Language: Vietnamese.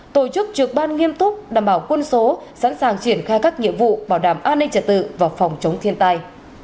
tổ chức trược ban nghiêm túc đảm bảo quân số sẵn sàng triển khai các nhiệm vụ bảo đảm an ninh trật tự và phòng chống thiên tai